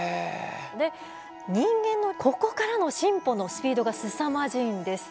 で人間のここからの進歩のスピードがすさまじいんです。